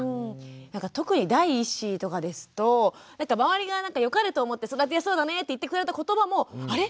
特に第一子とかですと周りが良かれと思って育てやすそうだねって言ってくれたことばもあれ？